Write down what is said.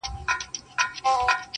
o خپل پر تنگسه په کارېږي!